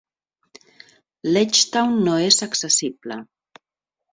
Leechtown no és accessible.